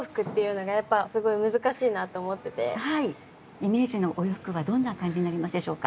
イメージのお洋服はどんな感じになりますでしょうか？